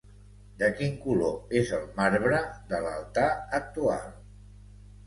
De quin color és el marbre de l'altar actual?